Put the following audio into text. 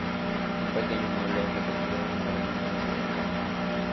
Un pequeño mueble es repetido en gran número sobre el campo.